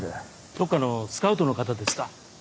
どっかのスカウトの方ですか？